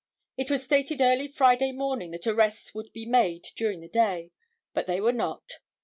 It was stated early Friday morning that arrests would be made during the day, but they were not.